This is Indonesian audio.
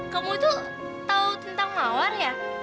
kamu tuh tahu tentang mawar ya